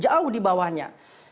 yang jauh di bawahnya